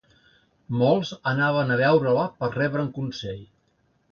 Molts anaven a veure-la per rebre'n consell.